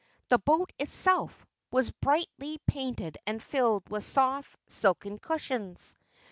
The boat, itself, was brightly painted and filled with soft, silken cushions.